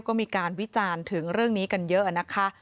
ก็มีการวิจารณ์ถึงเรื่องนี้กันเยอะนะคะ